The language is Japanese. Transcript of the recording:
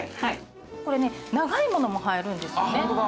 これね長いものも入るんですよね。